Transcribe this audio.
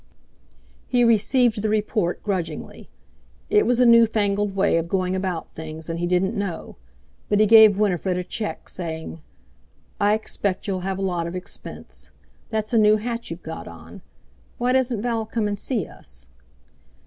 He received the report grudgingly. It was a new fangled way of going about things, and he didn't know! But he gave Winifred a cheque, saying: "I expect you'll have a lot of expense. That's a new hat you've got on. Why doesn't Val come and see us?"